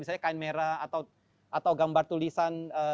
misalnya kain merah atau gambar tulisan